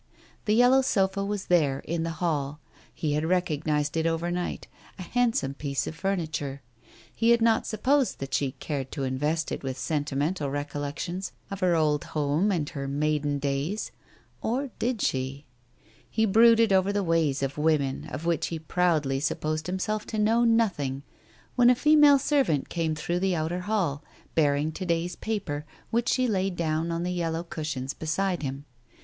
The yellow sofa was there, in the hall, he had recognized it overnight, a handsome piece of furniture. He had not supposed that she cared to invest it with sentimental recollections of her old home and her maiden days. Or did she ? He brooded over the ways of women, of which he proudly supposed himself to know nothing, when a female servant came through the outer hall, bearing to day's paper, which she laid down on the yellow Digitized by Google 264 TALES OF THE UNEASY cushions beside him.